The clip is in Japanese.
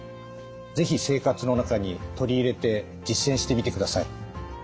是非生活の中に取り入れて実践してみてください。